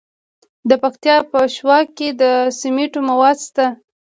د پکتیا په شواک کې د سمنټو مواد شته.